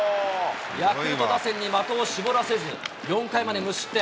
ヤクルト打線に的を絞らせず４回まで無失点。